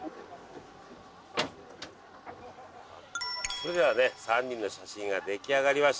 それではね３人の写真が出来上がりました。